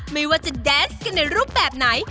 ไม่ว่าจะแดนส์กันในรูปแบบไหน